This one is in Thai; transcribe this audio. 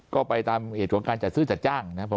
ก็ไปตามเหตุของการจัดซื้อจัดจ้างนะครับ